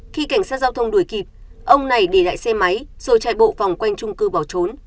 khi cảnh sát giao thông đuổi kịp ông này để lại xe máy rồi chạy bộ phòng quanh trung cư bỏ trốn